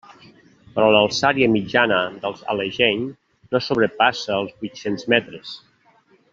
Però l'alçària mitjana dels Allegheny no sobrepassa els vuit-cents metres.